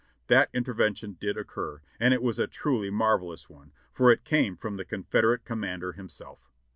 That in tervention did occur, and it was a truly marvelous one, for it came from the Confederate commander himself.